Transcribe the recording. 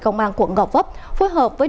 công an quận gò vấp phối hợp với